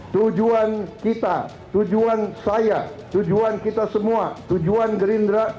tujuan kita tujuan saya tujuan kita semua tujuan gerindra